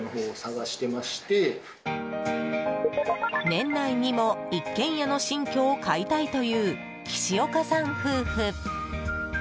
年内にも一軒家の新居を買いたいという岸岡さん夫婦。